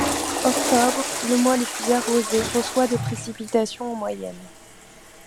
Octobre, le mois le plus arrosé, reçoit de précipitations en moyenne.